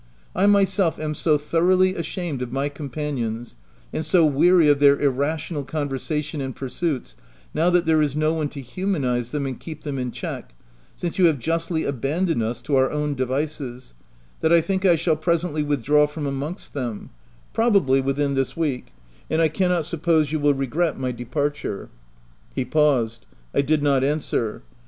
I myself am so thoroughly ashamed of my companions, and so weary of their irrational conversation and pursuits — now that there is no one to humanize them and keep them in check, since you have justly abandoned us to our own devices — that I think I shall presently withdraw from amongst them — probably w 7 ithin this week — and I cannot suppose you will regret my departure." He paused. I did not answer.